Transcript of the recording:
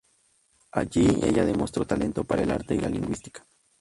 Allí, ella demostró talento para el arte y la lingüística.